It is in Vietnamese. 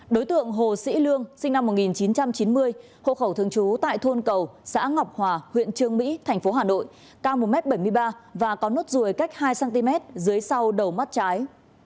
đối tượng hồ sĩ lương sinh năm một nghìn chín trăm chín mươi hộ khẩu thường trú tại thôn cầu xã ngọc hòa huyện trương mỹ thành phố hà nội cao một m bảy mươi ba và có nốt ruồi cách hai cm dưới sau đầu mắt trái